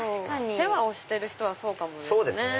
世話をしてる人はそうかもですね。